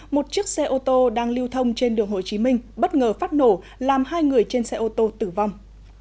một chiếc xe ô tô đang lưu thông trên đường hồ chí minh bất ngờ phát nổ làm hai người trên xe ô tô tử vong